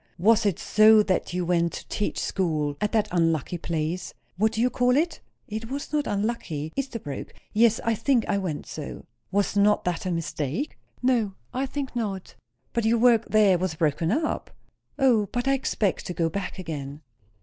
"Was it so that you went to teach school at that unlucky place? what do you call it?" "It was not unlucky. Esterbrooke. Yes, I think I went so." "Was not that a mistake?" "No, I think not." "But your work there was broken up?" "O, but I expect to go back again."